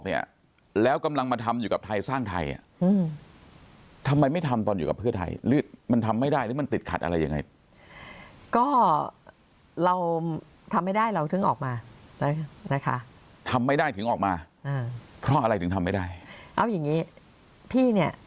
พี่สัมภาษณ์คุณภาคภูมิไปแล้วรอบหนึ่งด้วยนะ